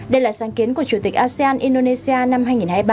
đây là sáng kiến của chủ tịch asean indonesia năm hai nghìn hai mươi ba